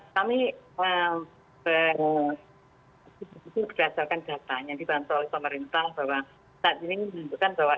kami berdasarkan data yang dibantu oleh pemerintah bahwa saat ini menunjukkan bahwa